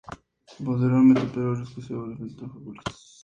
Posteriormente, Pedro Riesco ha sido representante de futbolistas.